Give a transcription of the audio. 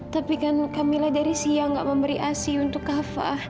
tapi kan kamila dari siang tidak memberi asi untuk kak fah